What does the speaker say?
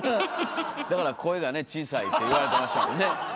だから声がね小さいって言われてましたもんね。